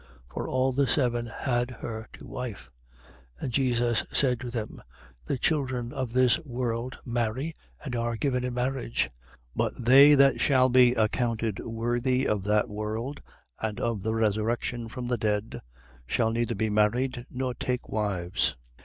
For all the seven had her to wife. 20:34. And Jesus said to them: The children of this world marry and are given in marriage: 20:35. But they that shall be accounted worthy of that world and of the resurrection from the dead shall neither be married nor take wives.